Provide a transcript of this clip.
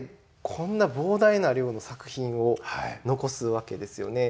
こんな膨大な量の作品を残すわけですよね。